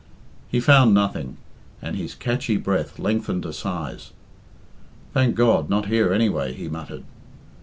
He found nothing, and his catchy breathing lengthened to sighs. "Thank God, not here, anyway!" he muttered.